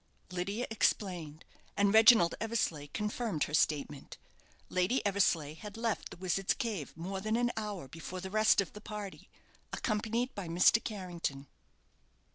Lydia explained, and Reginald Eversleigh confirmed her statement. Lady Eversleigh had left the Wizard's Cave more than an hour before the rest of the party, accompanied by Mr. Carrington.